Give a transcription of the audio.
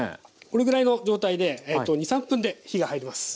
これぐらいの状態で２３分で火が入ります。